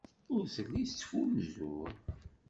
Ur telli tettfunzur.